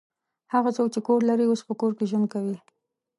هغه څوک چې کور لري اوس په کور کې ژوند کوي.